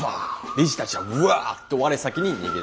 理事たちはうわっと我先に逃げ出します。